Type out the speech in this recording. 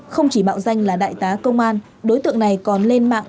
không chỉ mạo danh là đại tá công an đối tượng này còn lên mạng